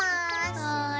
はい。